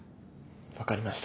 分かりました。